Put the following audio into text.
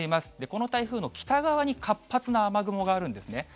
この台風の北側に活発な雨雲があるんですね。